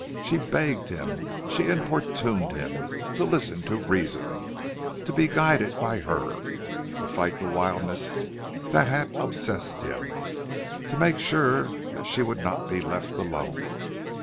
She begged him, she importuned him, to listen to reason, to be guided by her, to fight the wildness that had obsessed him, to make sure that she would not be left alone.